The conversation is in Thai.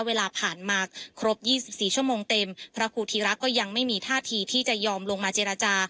เวลาผ่านมาครบ๒๔ชั่วโมงเต็มพระครูธีระก็ยังไม่มีท่าทีที่จะยอมลงมาเจรจา